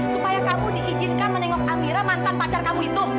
supaya kamu diizinkan menengok amira mantan pacar kamu itu